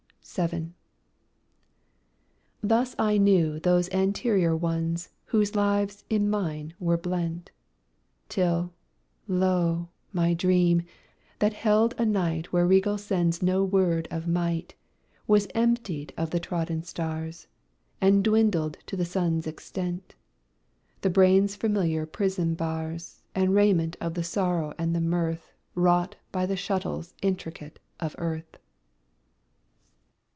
VII Thus knew I those anterior ones Whose lives in mine were blent; Till, lo! my dream, that held a night Where Rigel sends no word of might, Was emptied of the trodden stars, And dwindled to the sun's extent The brain's familiar prison bars, And raiment of the sorrow and the mirth Wrought by the shuttles intricate of earth.